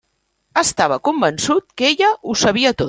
Estava convençut que ella ho sabia tot.